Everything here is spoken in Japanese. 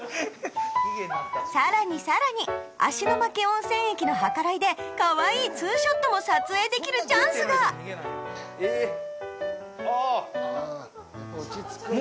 さらにさらに芦ノ牧温泉駅の計らいでかわいい２ショットも撮影できるチャンスがやっぱ落ち着くんよ。